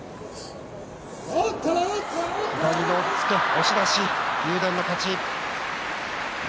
押し出し、竜電の勝ち。